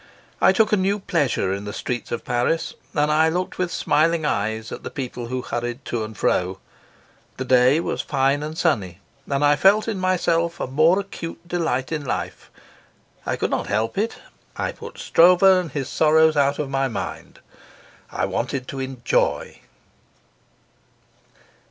I took a new pleasure in the streets of Paris, and I looked with smiling eyes at the people who hurried to and fro. The day was fine and sunny, and I felt in myself a more acute delight in life. I could not help it; I put Stroeve and his sorrows out of my mind. I wanted to enjoy.